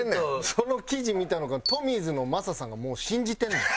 その記事見たのかトミーズの雅さんがもう信じてんねん。